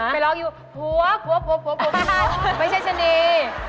ไปร้องอยู่หัวไปค่ะไม่ใช่เช่นดี